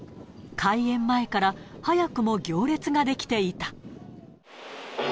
開園前から早くも行列が出来ていた。